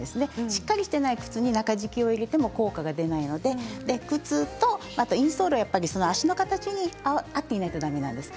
しっかりしていない靴に中敷きを入れても効果が出ないので靴とインソールは足の形に合っていないとだめなんです。